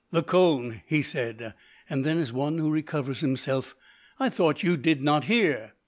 "The cone," he said, and then, as one who recovers himself, "I thought you did not hear."